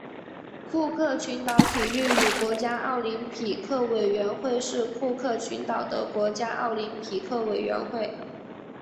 库克群岛体育与国家奥林匹克委员会是库克群岛的国家奥林匹克委员会。